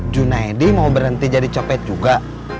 junaedi mau berhenti jadi nyopet juga